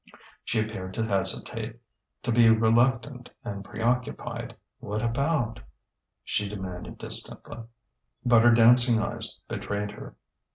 She appeared to hesitate, to be reluctant and preoccupied occupied. "What about?" she demanded distantly. But her dancing eyes betrayed her.